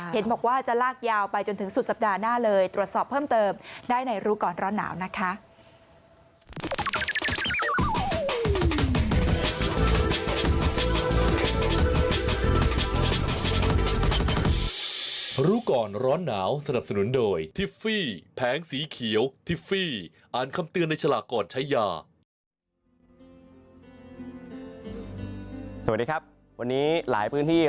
เขตบอกว่าจะลากยาวไปจนถึงสุดสัปดาห์หน้าเลย